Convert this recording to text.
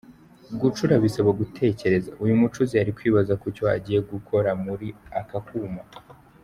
Gucura bisaba gutekereza, uyu mucuzi ari kwibaza kucyo agiye gukora muri aka kuma.